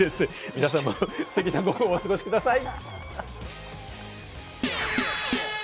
皆さんもステキな午後をお過ごしください。